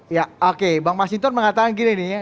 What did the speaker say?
ya oke bang mas hinton mengatakan gini nih ya